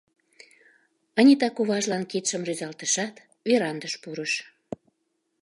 Анита коважлан кидшым рӱзалтышат, верандыш пурыш.